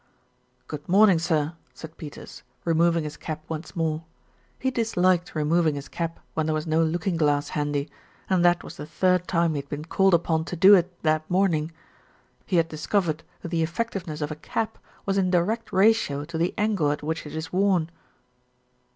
"Good morning, sir," said Peters, removing his cap once more. He disliked removing his cap when there was no looking glass handy, and that was the third time he had been called upon to do it that morning. He had discovered that the effectiveness of a cap was in direct ratio to the angle at which it is worn.